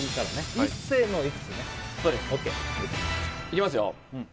ＯＫいきますよ